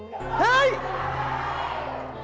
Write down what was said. เฮ่ย